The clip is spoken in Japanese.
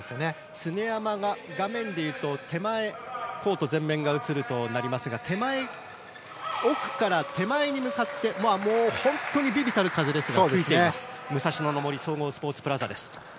常山が画面でいうと手前側になりますが奥から手前に向かって微々たる風ですが吹いている武蔵野の森総合スポーツプラザ。